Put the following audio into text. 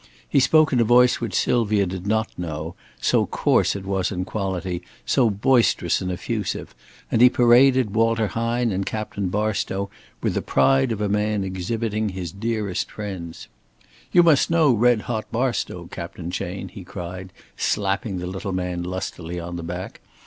He spoke in a voice which Sylvia did not know, so coarse it was in quality, so boisterous and effusive; and he paraded Walter Hine and Captain Barstow with the pride of a man exhibiting his dearest friends. "You must know 'red hot' Barstow, Captain Chayne," he cried, slapping the little man lustily on the back.